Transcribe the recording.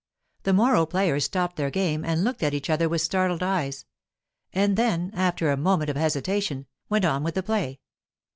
The morro players stopped their game and looked at each other with startled eyes; and then, after a moment of hesitation, went on with the play.